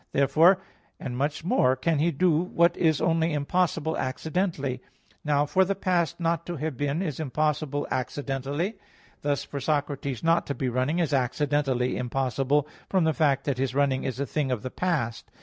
Therefore, and much more can He do what is only impossible accidentally. Now for the past not to have been is impossible accidentally: thus for Socrates not to be running is accidentally impossible, from the fact that his running is a thing of the past.